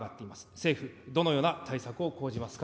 政府、どのような対策を講じますか。